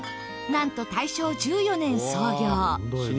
なんと大正１４年創業。